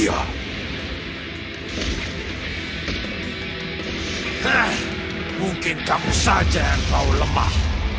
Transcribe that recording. hah mungkin kamu saja yang mau lemah